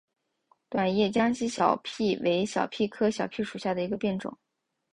短叶江西小檗为小檗科小檗属下的一个变种。